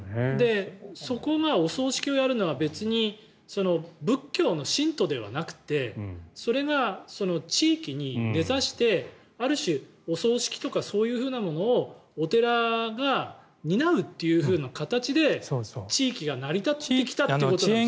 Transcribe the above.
そこがお葬式をやるなら別に仏教の信徒ではなくてそれが地域に根差して、ある種お葬式とかそういうものをお寺が担うっていう形で地域が成り立っているってことですよね。